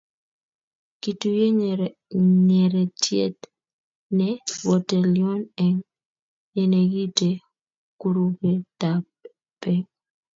Kituyie nyeretyet ne tolelyon eng' yenekite kurumbetab beek.